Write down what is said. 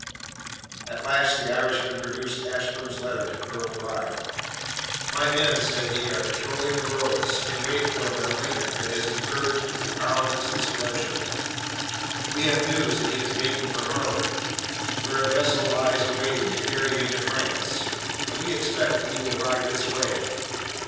At last the Irishman produced Ashburn's letter to Colonel Pride. "My men," said he, "are patrolling the roads in wait for a malignant that has incurred the Parliament's displeasure. We have news that he is making for Harwich, where a vessel lies waiting to carry him to France, and we expect that he will ride this way.